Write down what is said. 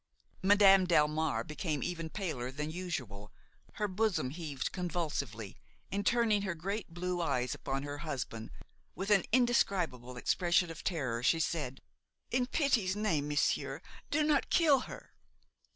Madame Delmare became even paler than usual; her bosom heaved convulsively, and, turning her great blue eyes upon her husband with an indescribable expression of terror, she said: "In pity's name, monsieur, do not kill her!"